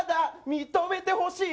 認めてほしい。